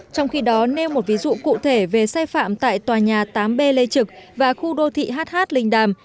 trong khi đó nêu một ví dụ cụ thể về sai phạm tại tòa nhà tám b lê trực và khu đô thị hh linh đàm